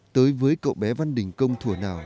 tới với cậu bé văn đình công thủa nào